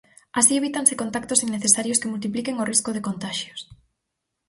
Así evítanse contactos innecesarios que multipliquen o risco de contaxios.